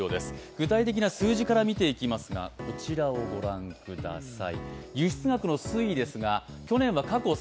具体的な数字から見ていきますが、こちらをご覧ください。